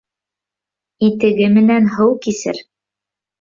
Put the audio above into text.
Итеге менән һыу кисер.